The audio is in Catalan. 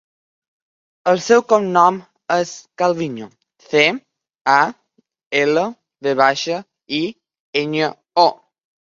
El seu cognom és Calviño: ce, a, ela, ve baixa, i, enya, o.